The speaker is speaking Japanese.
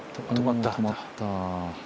止まった。